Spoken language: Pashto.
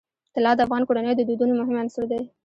طلا د افغان کورنیو د دودونو مهم عنصر دی.